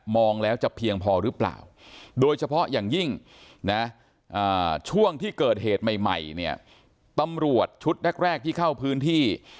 ไม่ได้เก้าพื้นที่